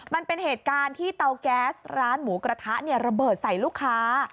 มันเป็นเหตุการณ์ที่เตาแก๊สร้านหมูกระทะเนี่ยระเบิดใส่ลูกค้า